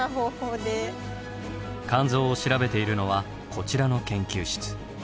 肝臓を調べているのはこちらの研究室。